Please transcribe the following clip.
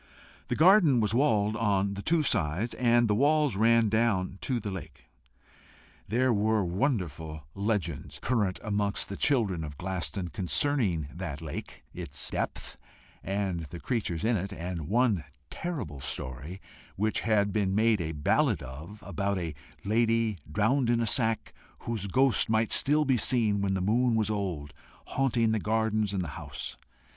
The garden was walled on the two sides, and the walls ran right down to the lake. There were wonderful legends current amongst the children of Glaston concerning that lake, its depth, and the creatures in it; and one terrible story, which had been made a ballad of, about a lady drowned in a sack, whose ghost might still be seen when the moon was old, haunting the gardens and the house.